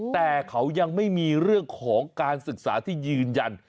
แต่เขายังไม่มีเรื่องของการศึกษาที่ยืนยัน